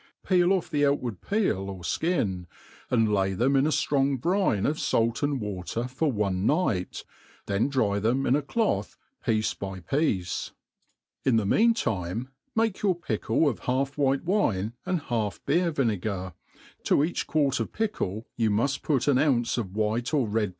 Peel off tfee o«ttwar^ peel or fkiii, ati4. Jay them in a Qnoag brine of f^it and water for one night, th«n dry them in acciod), piece by piece. In the mean time, make your pickle of half white wine and half beer^viAcgar :* to eact^ quart of pickle ^ou muft put an ounce of white or red.